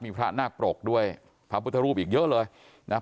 มีพระนาคปรกด้วยพระพุทธรูปอีกเยอะเลยนะครับ